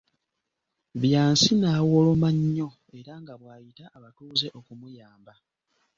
Byansi n'awoloma nnyo era nga bw'ayita abatuuze okumuyamba!